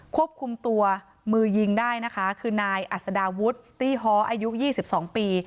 ควบคุมตัวมือยิงได้นะคะคือนายอัศดาวุฒิตี้ฮ้ออายุ๒๒ปี